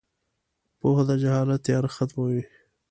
• پوهه د جهالت تیاره ختموي.